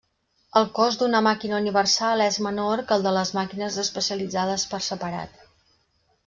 El cost d'una màquina universal és menor que el de les màquines especialitzades per separat.